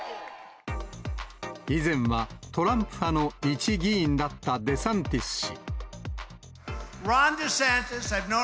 以前はトランプ派の一議員だったデサンティス氏。